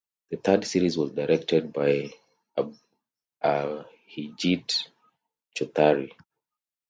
The third series was directed by Abhijit Chowdhury.